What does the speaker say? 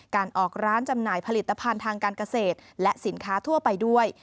การออกร้านจำหน่ายผลิตภัณฑ์ทางการเกษตรและสินค้าทั่วไปด้วย